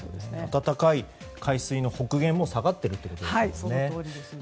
暖かい海水の北限も下がっているんですね。